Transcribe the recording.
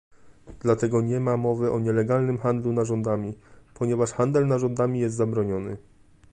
Dlatego nie ma mowy o nielegalnym handlu narządami, ponieważ handel narządami jest zabroniony